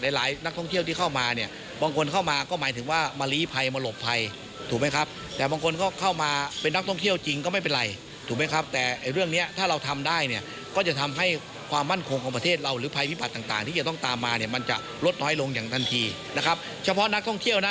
เหลืองที่ไม่มีคำถามใจ